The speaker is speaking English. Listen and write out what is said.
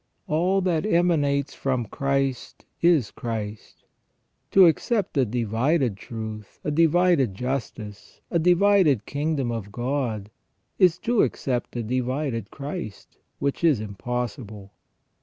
All that emanates from Christ is Christ. To accept a divided truth, a divided justice, a divided kingdom of God, is to accept a divided Christ, which is impossible.